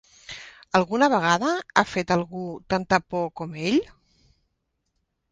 Alguna vegada ha fet algú tanta por com ell?